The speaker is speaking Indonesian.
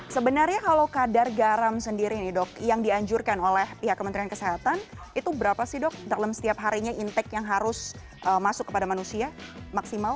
sebenarnya kalau kadar garam sendiri nih dok yang dianjurkan oleh pihak kementerian kesehatan itu berapa sih dok dalam setiap harinya intake yang harus masuk kepada manusia maksimal